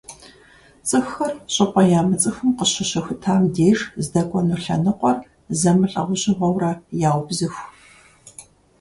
ЦӀыхухэр щӀыпӀэ ямыцӀыхум къыщыщыхутам деж здэкӀуэну лъэныкъуэр зэмылӀэужьыгъуэурэ яубзыху.